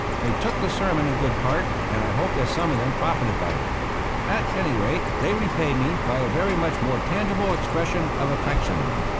They took the sermon in good part, and I hope that some of them profited by it. At any rate, they repaid me by a very much more tangible expression of affection.